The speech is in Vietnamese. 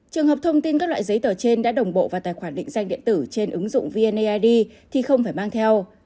trường hợp thông tin các loại giấy tờ trên đã đồng bộ vào tài khoản định danh điện tử trên ứng dụng vneid thì không phải mang theo